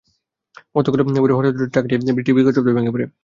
গতকাল ভোরে হঠাৎ দুটি ট্রাক নিয়ে ব্রিজটি বিকট শব্দে ভেঙে পড়ে।